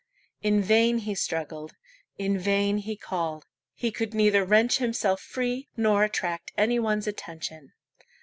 In vain he struggled, in vain he called. He could neither wrench himself free nor attract any one's attention.